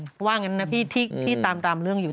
เพราะว่างั้นนะพี่ที่ตามเรื่องอยู่